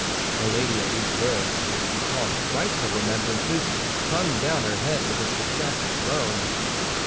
Milady at these words, which recalled frightful remembrances, hung down her head with a suppressed groan.